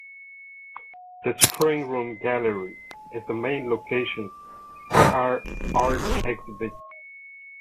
The String Room Gallery is the main location for Art Exhibits.